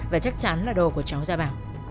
và chắc chắn là đồ của cháu ra bảo